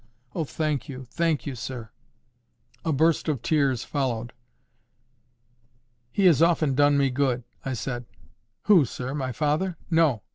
"Oh! thank you, thank you, sir." A burst of tears followed. "He has often done me good," I said. "Who, sir? My father?" "No.